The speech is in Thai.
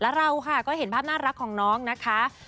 แล้วเราค่ะก็เห็นภาพน่ารักของน้องนะคะ